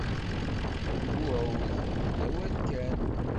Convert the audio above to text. Lewɛud, d awal kan.